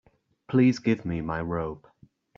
Please give me my robe.